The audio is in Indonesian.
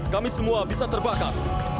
kami semua bisa terbakar